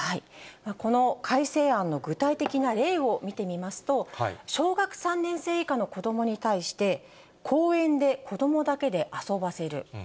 この改正案の具体的な例を見てみますと、小学３年生以下の子どもに対して、公園で子どもだけで遊ばせる。